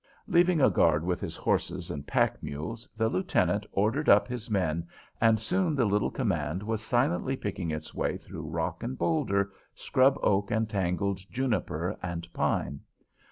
Leaving a guard with his horses and pack mules, the lieutenant ordered up his men, and soon the little command was silently picking its way through rock and boulder, scrub oak and tangled juniper and pine.